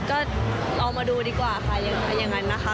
อ๋อก็ลองมาดูดีกว่าค่ะอย่างนั้นนะคะ